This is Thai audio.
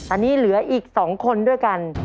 อันนี้เหลืออีก๒คนด้วยกัน